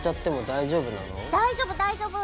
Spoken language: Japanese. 大丈夫大丈夫！